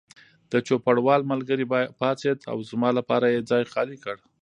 د چوپړوال ملګری پاڅېد او زما لپاره یې ځای خالي کړ.